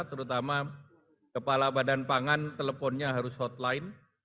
terutama kepala badan pangan teleponnya harus hotline